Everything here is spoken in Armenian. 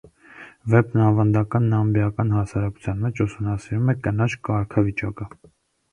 Վեպն ավանդական նամբիական հասարակության մեջ ուսումնասիրում է կնոջ կարգավիճակը։